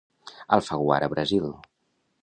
Alfaguara Brasil.